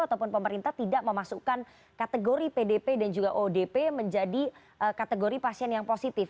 ataupun pemerintah tidak memasukkan kategori pdp dan juga odp menjadi kategori pasien yang positif